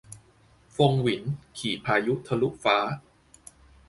ฟงหวิน ขี่พายุทะลุฟ้า